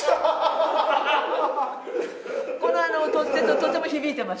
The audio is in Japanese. この取っ手ととても響いてますよね。